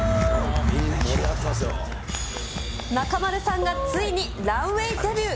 中丸さんがついにランウェイデビュー。